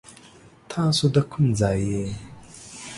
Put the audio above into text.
تاسو دا کوم ځای يي ؟